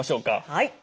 はい。